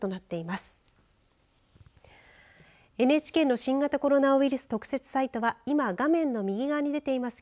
ＮＨＫの新型コロナウイルス特設サイトは今、画面の右側に出ています